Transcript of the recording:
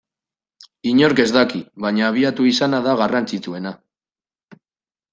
Inork ez daki, baina abiatu izana da garrantzitsuena.